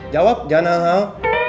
jawab jangan hal hal